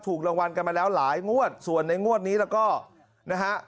ถูกรางวัลกันมาแล้วหลายงวดส่วนในงวดนี้แล้วก็นะฮะ